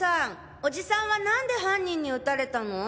おじさんは何で犯人に撃たれたの？